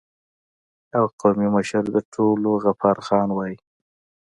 او قومي مشر د ټولو غفار خان وای